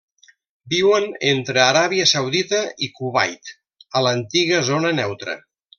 Viuen entre Aràbia Saudita i Kuwait a l'antiga zona neutra.